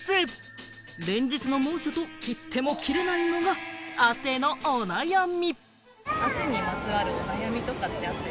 連日の猛暑と切っても切れないのが汗のお悩み。